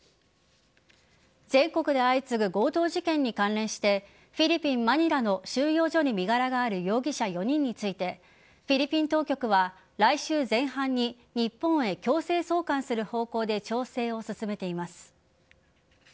全国で相次ぐ強盗事件に関連してフィリピン・マニラの収容所に身柄がある容疑者４人についてフィリピン当局は来週前半に日本へ強制送還する方向で調整を進めています。